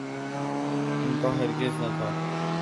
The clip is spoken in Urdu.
ان کا ہرگز نہ تھا۔